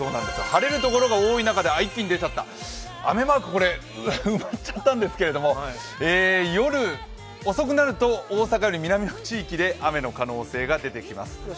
晴れるところが多い中で、雨マーク、埋まっちゃったんですけれども、夜遅くなると大阪より南の地域で雨の可能性が出てきます。